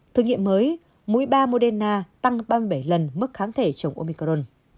thử nghiệm mới mũi ba moderna tăng ba mươi bảy lần mức kháng thể chống omicron